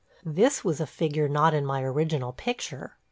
This was a figure not in my original picture.